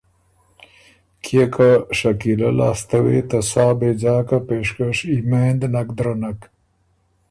کيې که شکیلۀ لاسته وې ته سا بېځاکه پېشکش یمېند نک درنک۔